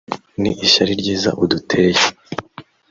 ni ishyari ryiza uduteye